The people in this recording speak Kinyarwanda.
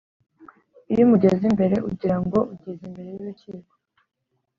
iyo umugeze imbere ugirango ujyeze imbere yurukiko